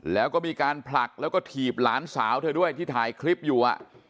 แล้วก็มีการผลักแล้วก็ถีบหลานสาวเธอด้วยที่ถ่ายคลิปอยู่